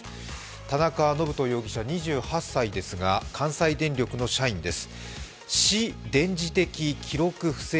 田中信人容疑者２８歳ですが、関西電力の社員です